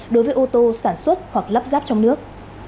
đối với ô tô sản xuất hoặc lắp ráp trong nước